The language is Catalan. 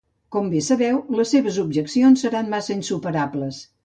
Com bé sabeu, les seves objeccions seran massa insuperables.